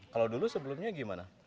kalau dulu sebelumnya gimana